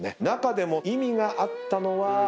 中でも意味があったのは。